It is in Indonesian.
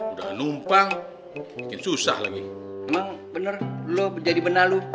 udah numpang itu susah lagi emang bener lo jadi benalu